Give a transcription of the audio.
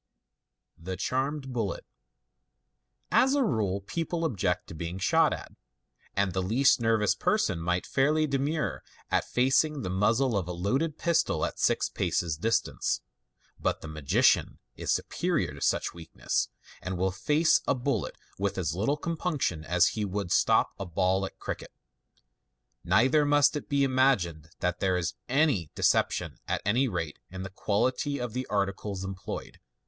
The Charmed Bullet. — As a rule, people object to being shot at, and the least nervous person might fairly demur at facing the muzzle of a loaded pistol at six paces' distance ; but the magician is superior to such weakness, and will face a bullet with as little com punction as he would stop a ball at cricket. Neither must it be imagined that there is any " deception," at anv rate in the quality of the articles employed.